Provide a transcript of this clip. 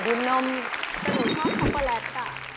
แต่ผมชอบโคโปรแลตค่ะ